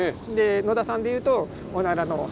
野田さんで言うとおならの話。